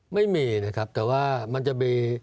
ไม่มีนะครับแต่ว่ามันจะมี